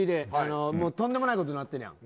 とんでもないことになってるやん。